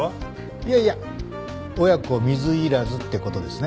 いやいや親子水入らずって事ですね。